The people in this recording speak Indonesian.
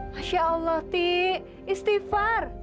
masya allah ti istighfar